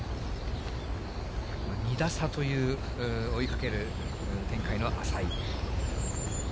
２打差という、追いかける展開の淺井。